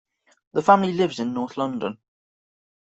The family lives in North London.